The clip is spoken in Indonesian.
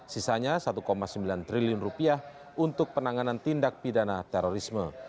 sisanya rp satu sembilan triliun untuk penanganan tindak pidana terorisme